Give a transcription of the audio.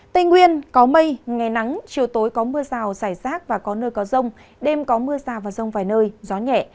tây nguyên có mây ngày nắng chiều tối có mưa rào rải rác và có nơi có rông đêm có mưa rào và rông vài nơi gió nhẹ